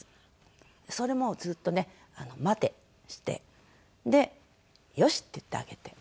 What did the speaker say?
それもうずっとね「待て」してで「よし」って言ってあげて。